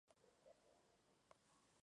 El presbiterio de cabecera plana.